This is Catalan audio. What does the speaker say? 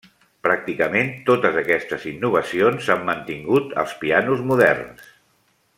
Pràcticament totes aquestes innovacions s'han mantingut als pianos moderns.